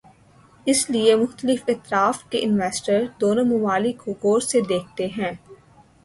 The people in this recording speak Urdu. اس لیے مختلف اطراف کے انویسٹر دونوں ممالک کو غور سے دیکھتے ہیں۔